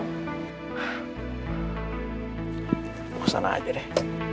tunggu sana aja deh